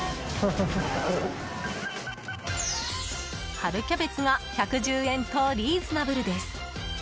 春キャベツが１１０円とリーズナブルです。